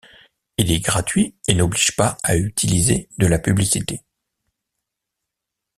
Il est gratuit et n'oblige pas à utiliser de la publicité.